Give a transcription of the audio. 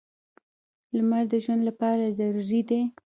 • لمر د ژوند لپاره ضروري دی.